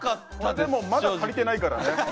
でもまだ足りてないからね。